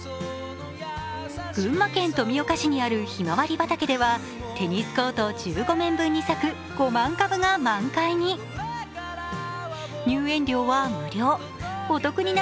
群馬県富岡市にあるひまわり畑では、テニスコート１５面分に咲く５万株が満開に。